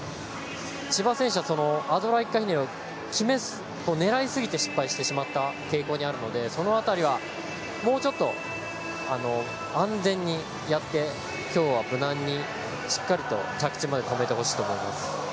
千葉選手はアドラー１回ひねりを狙いすぎて失敗してしまった傾向にあるのでその辺りはもうちょっと安全にやって今日は無難にしっかりと着地まで止めてほしいと思います。